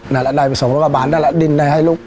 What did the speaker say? นั่นล่ะได้ไปสองร้อยกว่าบาทนั่นล่ะดิ้นได้ให้ลูก